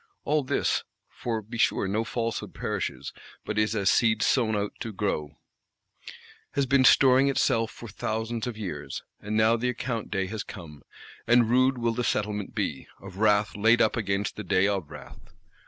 All this (for be sure no falsehood perishes, but is as seed sown out to grow) has been storing itself for thousands of years; and now the account day has come. And rude will the settlement be: of wrath laid up against the day of wrath.